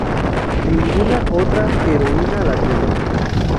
Ninguna otra heroína la tiene".